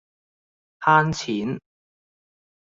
慳錢